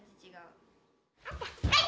はい！